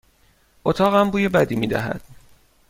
اتاقم بوی بدی می دهد.